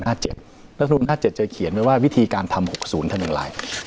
รัฐธรรมรุน๕๗จะเขียนว่าวิธีการทำ๖๐ทางหนึ่งลาย